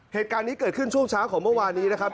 เหตุการณ์นี้เกิดขึ้นช่วงเช้าของเมื่อวานนี้นะครับ